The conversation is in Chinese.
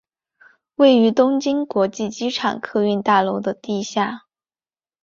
位于东京国际机场客运大楼的地下。